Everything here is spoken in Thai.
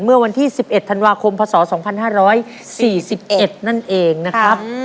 เมื่อวันที่๑๑ธันวาคมพศ๒๕๔๑นั่นเองนะครับ